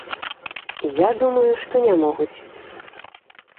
Я думаю, што не могуць.